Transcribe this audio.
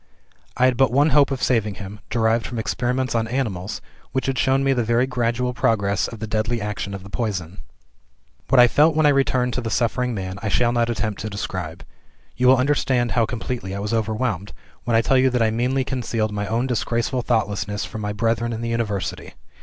I had but one hope of saving him derived from experiments on animals, which had shown me the very gradual progress of the deadly action of the poison. "What I felt when I returned to the suffering man, I shall not attempt to describe. You will understand how completely I was overwhelmed, when I tell you that I meanly concealed my own disgraceful thoughtlessness from my brethren in the University.